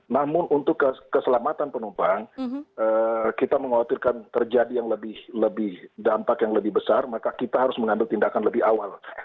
namun untuk keselamatan penumpang kita mengkhawatirkan terjadi yang lebih dampak yang lebih besar maka kita harus mengambil tindakan lebih awal